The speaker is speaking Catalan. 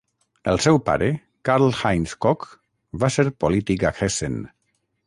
El seu pare, Karl-Heinz Koch, va ser polític a Hessen.